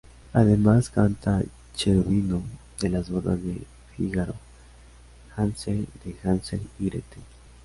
Además, canta "Cherubino" de Las bodas de Fígaro, "Hansel" de Hansel y Gretel.